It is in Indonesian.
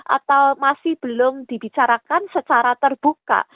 atau masih belum dibicarakan secara terbuka